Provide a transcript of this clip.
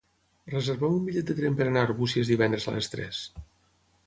Reserva'm un bitllet de tren per anar a Arbúcies divendres a les tres.